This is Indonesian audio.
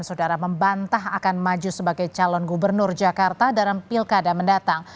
saudara membantah akan maju sebagai calon gubernur jakarta dalam pilkada mendatang